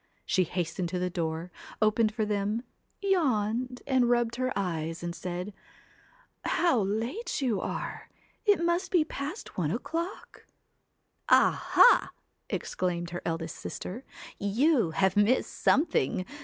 She hastened to the door, opened for them, yawned and rubbed her eyes, and said :' How late you are ! It must be past one o'clock.' * Ah, ha !' exclaimed her eldest sister, ' you have missed something.